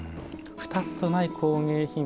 ２つとない工芸品